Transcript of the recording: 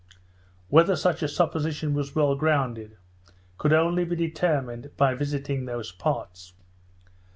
Whether such a supposition was well grounded, could only be determined by visiting those parts.